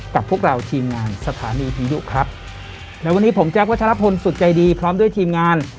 กับพวกเราทีมงานสถานีผีดุครับและวันนี้ผมแจ๊ควัชลพลฝึกใจดีพร้อมด้วยทีมงาน